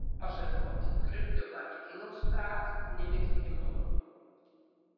As er mei grut gemak Ingelsk praat, nim ik him oan.